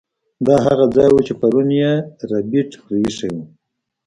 دا هغه ځای و چې پرون یې ربیټ پریښی و